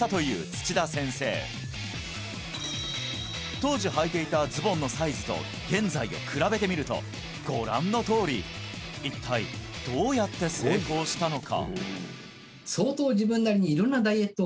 当時はいていたズボンのサイズと現在を比べてみるとご覧のとおり一体どうやって成功したのか？